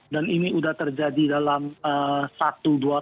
dan ini udah terjadi dalam satu dua tahun